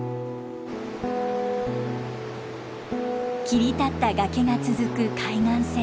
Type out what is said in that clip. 切り立った崖が続く海岸線。